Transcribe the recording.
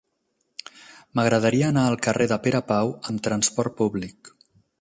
M'agradaria anar al carrer de Pere Pau amb trasport públic.